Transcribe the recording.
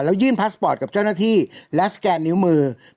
แล้วยื่นพลาสพอร์ทกับเจ้าหน้าที่และนิ้วมือพี่บล